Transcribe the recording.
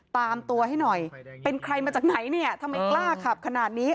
ตามตัวให้หน่อยเป็นใครมาจากไหนเนี่ยทำไมกล้าขับขนาดนี้